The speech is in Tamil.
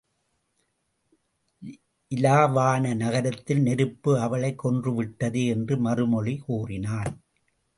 இலாவாண நகரத்திலே நெருப்பு அவளைக் கொன்றுவிட்டதே? என்று மறுமொழி கூறினான்.